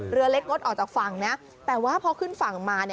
เรือเล็กงดออกจากฝั่งนะแต่ว่าพอขึ้นฝั่งมา